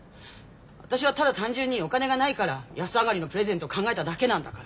私はただ単純にお金がないから安上がりのプレゼントを考えただけなんだから。